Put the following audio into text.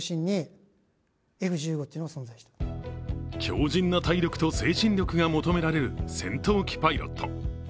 強じんな体力と精神力が求められる戦闘機パイロット。